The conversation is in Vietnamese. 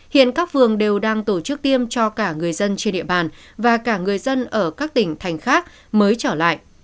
hiện các vườn đều đang tổ chức tiêm cho cả người dân trên địa bàn và cả người dân ở các tỉnh thành khác mới trở lại